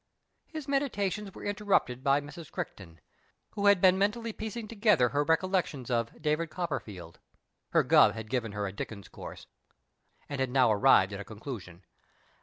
His meditations were interrupted by Mrs. Criehton, who had been mentally piecing together her recol lections of " David Copperfield "— her Guv. had given her a Dickens course — and had now arrived at a conclusion.